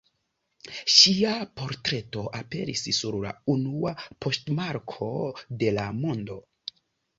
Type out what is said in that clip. Ŝia portreto aperis sur la unua poŝtmarko de la mondo.